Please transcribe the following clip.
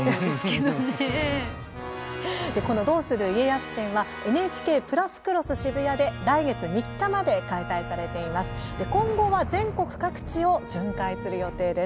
「どうする家康」展はＮＨＫプラスクロスＳＨＩＢＵＹＡで来月３日まで開催されています。